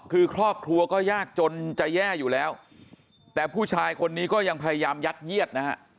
คือครอบครัวก็ยากจนจะแย่อยู่แล้วแต่ผู้ชายคนนี้ก็ยังพยายามยัดเยียดนะฮะ